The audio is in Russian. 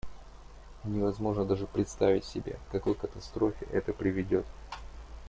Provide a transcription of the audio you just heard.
Невозможно даже представить себе, к какой катастрофе это приведет.